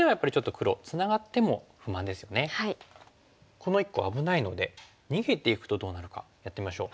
この１個危ないので逃げていくとどうなるかやってみましょう。